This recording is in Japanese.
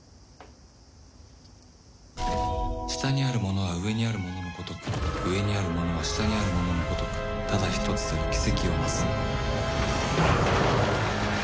下にあるものは上にあるもののごとく上にあるものは下にあるもののごとくただ一つたる奇跡をなさん。